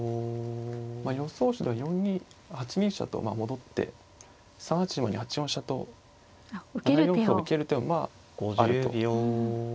まあ予想手の８二飛車と戻って３八馬に８四飛車と７四歩を受ける手もまああると。